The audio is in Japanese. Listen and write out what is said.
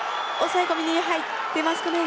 抑え込みに入っている。